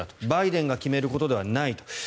バイデンが決めることではないと。